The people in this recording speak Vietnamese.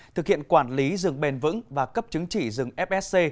thực hiện quản lý rừng bền vững và cấp chứng chỉ rừng fsc